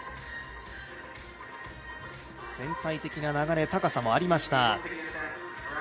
全体的な流れ、高さもありました。